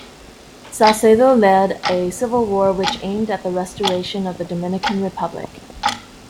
Salcedo led a civil war which aimed at the restoration of the Dominican Republic.